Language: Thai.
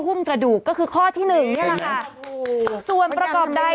กรมป้องกันแล้วก็บรรเทาสาธารณภัยนะคะ